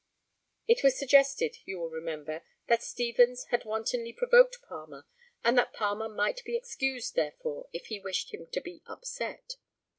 It was suggested, you will remember, that Stevens had wantonly provoked Palmer, and that Palmer might be excused, therefore, if he wished him to be upset.